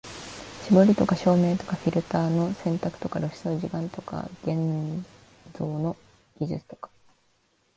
絞りとか照明とかフィルターの選択とか露出の時間とか現像の技術とか、